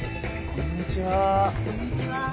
こんにちは。